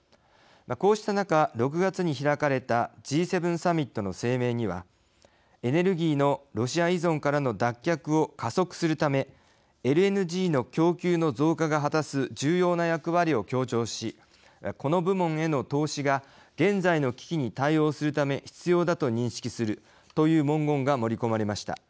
こうした中６月に開かれたＧ７サミットの声明には「エネルギーのロシア依存からの脱却を加速するためＬＮＧの供給の増加が果たす重要な役割を強調しこの部門への投資が現在の危機に対応するため必要だと認識する」という文言が盛り込まれました。